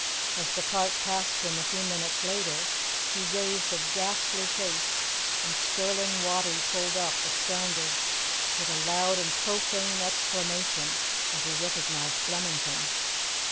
As the cart passed him a few minutes later, he raised a ghastly face, and Skirling Wattie pulled up astounded, with a loud and profane exclamation, as he recognized Flemington.